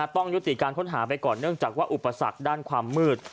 ต้องยุติการค้นหาไปก่อนเนื่องจากว่าอุปสรรคด้านความมืด